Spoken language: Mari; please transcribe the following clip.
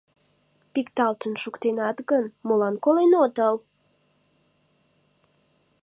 Пикталтын шуктенат гын, молан колен отыл?